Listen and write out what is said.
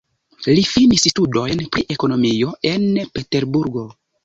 Li finis studojn pri ekonomio en Peterburgo.